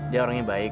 dia orangnya baik